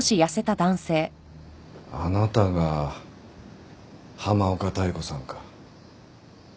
あなたが浜岡妙子さんか。